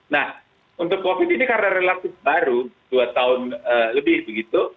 nah untuk covid ini karena relatif baru dua tahun lebih begitu